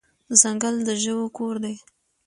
ځنګل د ژوو کور دی.